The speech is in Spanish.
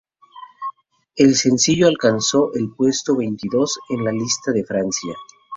El sencillo alcanzó el puesto veintidós en la lista de Francia.